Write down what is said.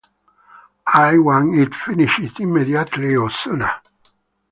I want it finished immediately or sooner.